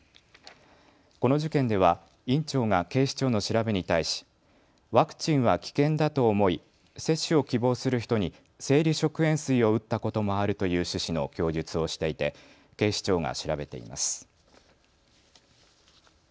この事件では院長が警視庁の調べに対しワクチンは危険だと思い、接種を希望する人に生理食塩水を打ったこともあるという趣旨の供述をしていて警視庁が調べています。